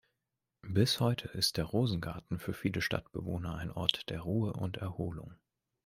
Bis heute ist der Rosengarten für viele Stadtbewohner ein Ort der Ruhe und Erholung.